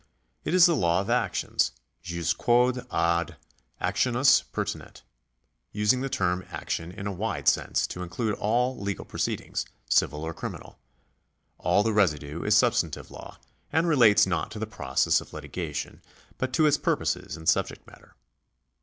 It is the law of actions — jus quod ad actiones pertinet— using the term action in a wide sense to include all legal proceedings, civil or criminal. All the residue is substantive law, and relates not to the process of litigation, but to its purposes and subject matter.